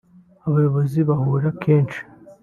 abayobozi bahura kenshi